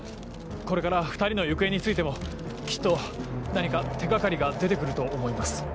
これから２人の行方についてもきっと何か手掛かりが出て来ると思います。